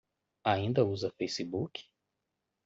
Ainda usa Facebook?